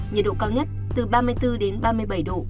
nhiệt độ cao nhất từ ba mươi bốn đến ba mươi bảy độ